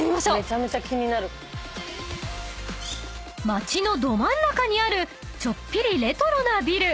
［街のど真ん中にあるちょっぴりレトロなビル］